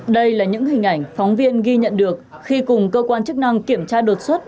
đây là những hình ảnh phóng viên ghi nhận được khi cùng cơ quan chức năng kiểm tra đột xuất